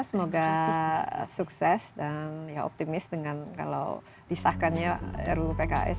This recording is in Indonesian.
semoga sukses dan ya optimis dengan kalau disahkannya ruu pks